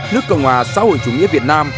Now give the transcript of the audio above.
nước cộng hòa xã hội chủ nghĩa việt nam